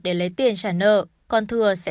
để lấy tiền trả nợ con thừa sẽ